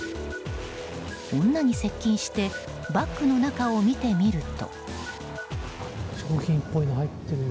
女に接近してバッグの中を見てみると。